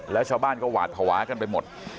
แล้วชาวบ้านก็หวาดภาวะกันไปหมด